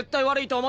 はい！